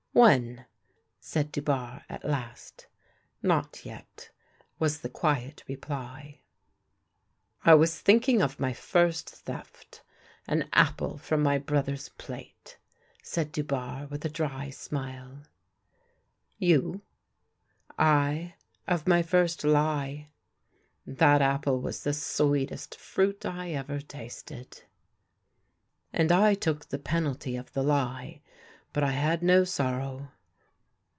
" When ?" said Dubarre at last. " Not yet," was the quiet reply. " I was thinking of my first theft — an apple from my brother's plate," said Dubarre with a dry smile. " You ?"" I, of my first lie." " That apple was the sweetest fruit I ever tasted." " And I took the penalty of the lie, but I had no sorrow."